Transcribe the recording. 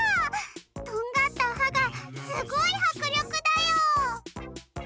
とんがったはがすごいはくりょくだよ！